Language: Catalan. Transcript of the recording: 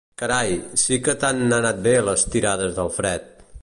Carai, sí que t'han anat bé, les tirades del Fred!